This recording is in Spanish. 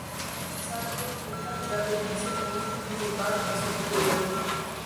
Harris Salleh, en calidad de Vice Ministro Principal, asumió el gobierno.